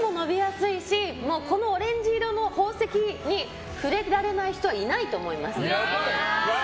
すいしこのオレンジ色の宝石に触れられない人はいないと思います。